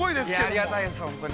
◆ありがたいです、本当に。